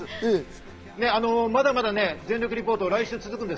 まだまだ全力リポート、来週も続くんです。